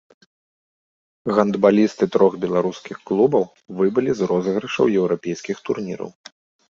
Гандбалісты трох беларускіх клубаў выбылі з розыгрышаў еўрапейскіх турніраў.